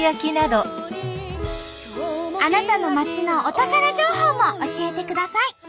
あなたの町のお宝情報も教えてください。